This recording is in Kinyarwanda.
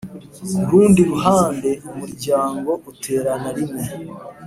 Ku rundi ruhande Umuryango uterana rimwe